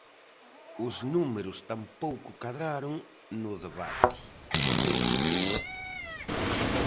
Os números tampouco cadraron no debate co voceiro socialista.